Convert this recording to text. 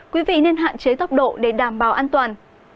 quý vị nên hạn chế tốc độ để đảm bảo an toàn